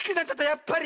やっぱり。